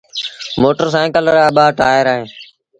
موٽر سآئيٚڪل رآٻآ ٽآئير اوهيݩ۔